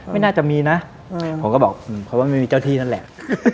ไม่น่าจะมีนะผมก็บอกเพราะว่าไม่มีเจ้าที่นั่นแหละ